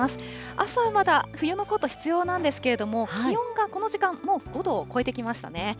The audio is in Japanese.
朝はまだ冬のコート、必要なんですけれども、気温がこの時間、もう５度を超えてきましたね。